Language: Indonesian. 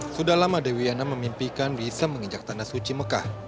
sudah lama dewi yana memimpikan bisa menginjak tanda suci mekah